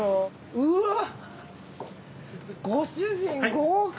うわっ！ご主人豪快。